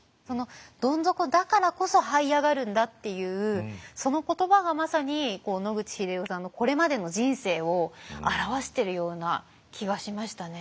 どん底だからこそはい上がるんだっていうその言葉がまさに野口英世さんのこれまでの人生を表してるような気がしましたね。